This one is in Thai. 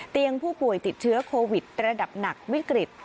เตียงผู้ป่วยติดเชื้อโควิดระดับหนักวิกฤต๕เตียง